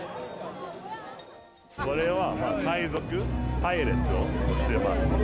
これは海賊、パイレーツを着てます。